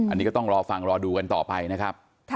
อันนี้ก็ต้องรอฟังรอดูกันต่อไปนะครับ